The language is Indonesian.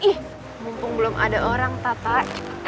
ih mumpung belum ada orang tata